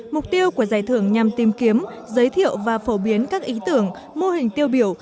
mục tiêu của giải thưởng nhằm tìm kiếm giới thiệu và phổ biến các ý tưởng mô hình tiêu biểu